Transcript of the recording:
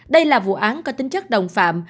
đây là vụ án có tính chất đồng phạm